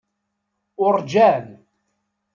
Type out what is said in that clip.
Uṛǧan.